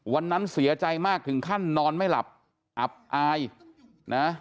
วันนั้นเสียใจมากถึงขั้นนอนไม่หลับอับอายนะ